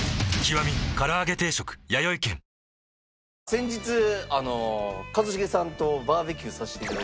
先日一茂さんとバーベキューさせて頂きまして。